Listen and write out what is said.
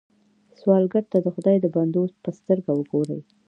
سوالګر ته د خدای د بندو په سترګه وګورئ